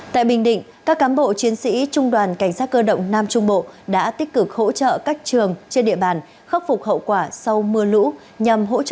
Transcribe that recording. tại bình định các cám bộ chiến sĩ trung đoàn cảnh sát cơ động nam trung bộ đã tích cực hỗ trợ các trường trên địa bàn khắc phục hậu quả sau mưa lũ nhằm hỗ trợ